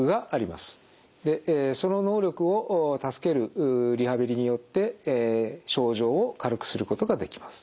その能力を助けるリハビリによって症状を軽くすることができます。